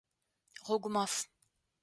Гъогумаф!